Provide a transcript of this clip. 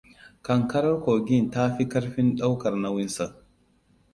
Ƙanƙarar kogin ta fi ƙarfin ɗaukar nauyinsa.